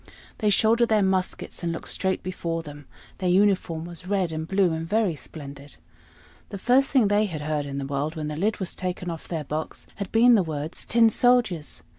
They shouldered their muskets, and looked straight before them; their uniform was red and blue, and very splendid. The first thing they had heard in the world, when the lid was taken off their box, had been the words "Tin soldiers!"